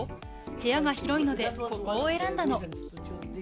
部屋が広いので、ここを選んだの。